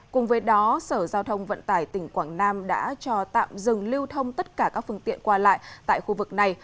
cùng với đó sở giao thông vận tải tỉnh quảng nam đã cho tạm dừng lưu thông tất cả các phương tiện qua lại tại khu vực này